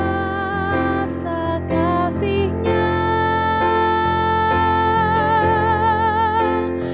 lepaskan dari bahaya dan beri roti padaku